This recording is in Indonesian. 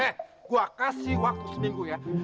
eh gue kasih waktu seminggu ya